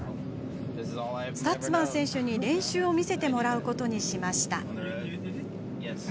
スタッツマン選手に練習を見せてもらうことにしました。